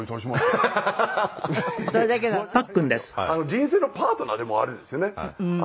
人生のパートナーでもあるんですよね。